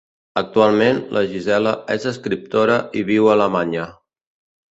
Actualment, la Gisela és escriptora i viu a Alemanya.